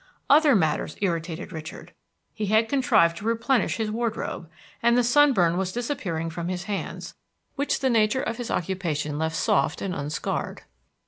Other matters irritated Richard. He had contrived to replenish his wardrobe, and the sunburn was disappearing from his hands, which the nature of his occupation left soft and unscarred.